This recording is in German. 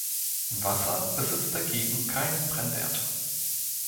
Wasser besitzt dagegen keinen Brennwert.